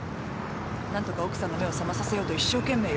何とか奥さんの目を覚まさせようと一生懸命よ。